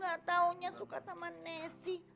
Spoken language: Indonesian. gak taunya suka sama nasi